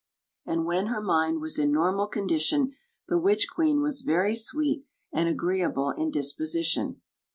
And when her mind was in normal condition the witch queen was very sweet and agreeable in disposition.